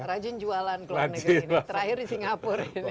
rajin jualan keluar negara ini terakhir di singapura ini